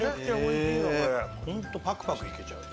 本当パクパク行けちゃう。